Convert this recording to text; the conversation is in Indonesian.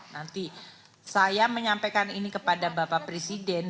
nanti saya menyampaikan ini kepada bapak presiden